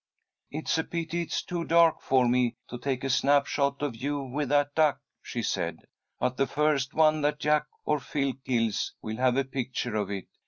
"It's a pity that it's too dark for me to take a snap shot of you with that duck," she said. "But the first one that Jack or Phil kills we'll have a picture of it.